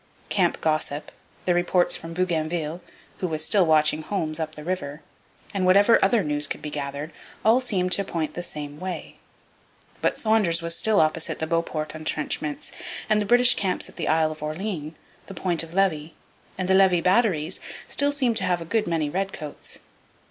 Camp gossip, the reports from Bougainville, who was still watching Holmes up the river, and whatever other news could be gathered, all seemed to point the same way. But Saunders was still opposite the Beauport entrenchments; and the British camps at the island of Orleans, the Point of Levy, and the Levis batteries still seemed to have a good many redcoats.